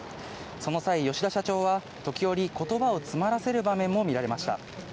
その際、吉田社長は時折、ことばを詰まらせる場面も見られました。